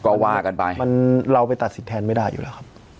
ก็ว่ากันไปมันเราไปตัดสินแทนไม่ได้อยู่แล้วครับ